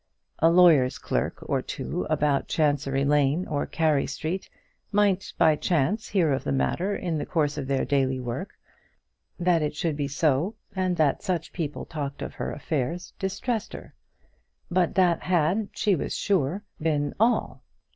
A lawyer's clerk or two about Chancery Lane or Carey Street might by chance hear of the matter in the course of their daily work; that it should be so, and that such people talked of her affairs distressed her; but that had, she was sure, been all.